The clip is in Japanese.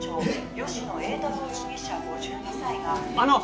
吉乃栄太郎容疑者５２歳があの！